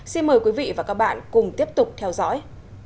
xin mời quý vị và các bạn cùng tiếp tục theo dõi